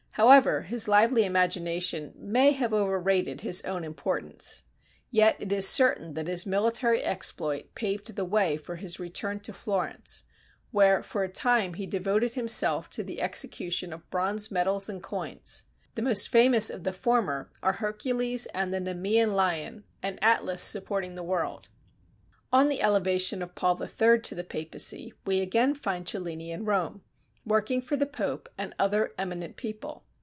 However his lively imagination may have overrated his own importance, yet it is certain that his military exploit paved the way for his return to Florence, where for a time he devoted himself to the execution of bronze medals and coins. The most famous of the former are Hercules and the Nemean Lion, and Atlas supporting the world. On the elevation of Paul III. to the Papacy we again find Cellini at Rome, working for the Pope and other eminent people.